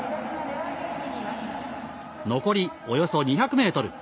残りおよそ２００ｍ。